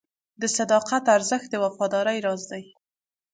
د صداقت ارزښت د وفادارۍ راز دی.